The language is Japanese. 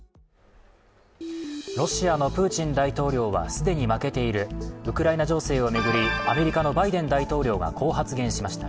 ロシアのプーチン大統領は既に負けているウクライナ情勢を巡り、アメリカのバイデン大統領がこう発言しました。